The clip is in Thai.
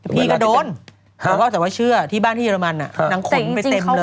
พี่ก็โดนแต่ว่าแต่ว่าเชื่อที่บ้านที่เรมันนางขนไปเต็มเลย